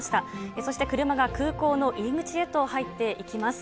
そして車が空港の入り口へと入っていきます。